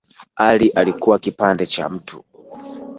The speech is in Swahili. Ali alikuwa kipande cha mtu